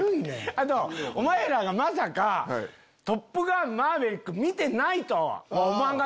あとお前らがまさか『トップガンマーヴェリック』見てないとは思わんかったから。